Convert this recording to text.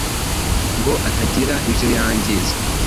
ngo atagira ibyo yangiza.